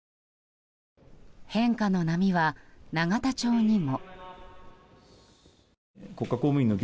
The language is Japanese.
変化の波は、永田町にも。